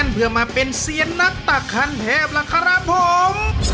เพื่อมาเป็นเซียนนักตักคันแทบล่ะครับผม